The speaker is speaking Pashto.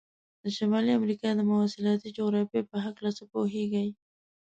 د شمالي امریکا د مواصلاتي جغرافیې په هلکه څه پوهیږئ؟